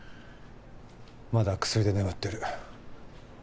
まだ薬で眠ってる。